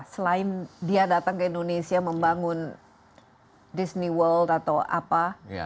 selain dia datang ke indonesia membangun disney world atau apa